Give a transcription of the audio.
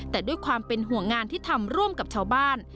แต่ด้วยความเป็นห่วงงานที่ทำร่วมกับชาวบ้าน